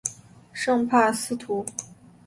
圣帕斯图。